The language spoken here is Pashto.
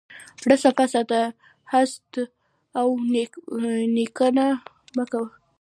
زړه صفا ساته، حسد او کینه مه کوه.